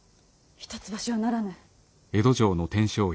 一橋はならぬ。